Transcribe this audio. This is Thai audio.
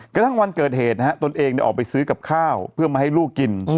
กระทั่งวันเกิดเหตุนะฮะตนเองออกไปซื้อกับข้าวเพื่อมาให้ลูกกิน